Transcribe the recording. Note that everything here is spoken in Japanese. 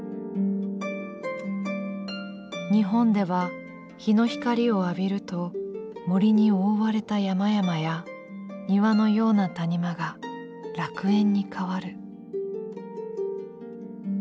「日本では日の光を浴びると森におおわれた山々や庭のような谷間が楽園に変わる」。